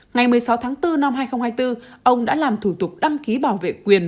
ngày một mươi sáu tháng bốn năm hai nghìn hai mươi bốn ông đã làm thủ tục đăng ký bảo vệ quyền